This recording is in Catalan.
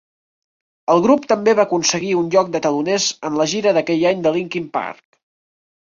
El grup també va aconseguir un lloc de teloners en la gira d'aquell any de Linkin Park.